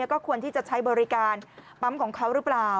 แล้วก็ควรที่จะใช้บริการปั๊มของเขาหรือเปล่า